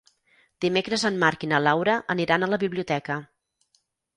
Dimecres en Marc i na Laura aniran a la biblioteca.